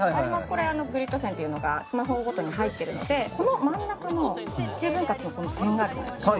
これグリッド線っていうのがスマホごとに入ってるのでこの真ん中の９分割のこの点があるじゃないですか